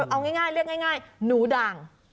เอาง่ายเรียกง่ายหนูด่าง